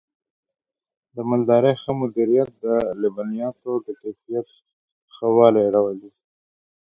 د مالدارۍ ښه مدیریت د لبنیاتو د کیفیت ښه والی راولي.